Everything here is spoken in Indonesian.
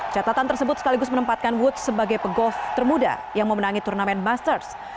catatan tersebut sekaligus menempatkan woods sebagai pegolf termuda yang memenangi turnamen masters